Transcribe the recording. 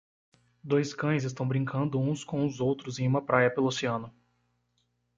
Dois cães estão brincando uns com os outros em uma praia pelo oceano.